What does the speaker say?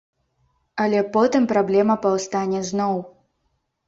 Але потым праблема паўстане зноў.